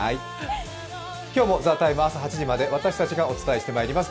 今日も「ＴＨＥＴＩＭＥ，」８時まで私たちがお伝えしてまいります。